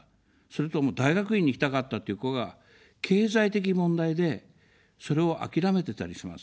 それと大学院に行きたかったという子が、経済的問題で、それを諦めてたりします。